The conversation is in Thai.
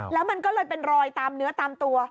แล้วมันก็เลยเป็นรอยตามเนื้อตามตัว